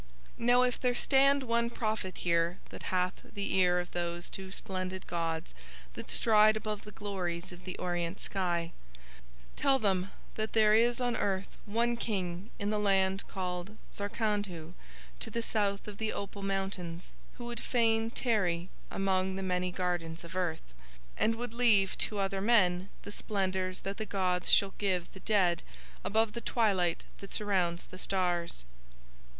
"Now if there stand one prophet here that hath the ear of those too splendid gods that stride above the glories of the orient sky, tell them that there is on earth one King in the land called Zarkandhu to the south of the opal mountains, who would fain tarry among the many gardens of earth, and would leave to other men the splendours that the gods shall give the dead above the twilight that surrounds the stars."